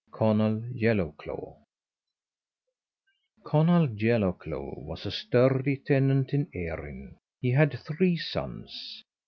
CONALL YELLOWCLAW Conall Yellowclaw was a sturdy tenant in Erin: he had three sons.